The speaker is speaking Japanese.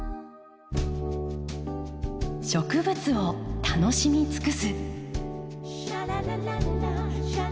植物を楽しみ尽くす。